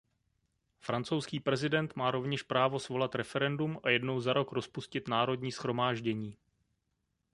Francouzský prezident má rovněž právo svolat referendum a jednou za rok rozpustit Národní shromáždění.